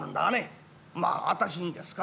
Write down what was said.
まあ私にですか？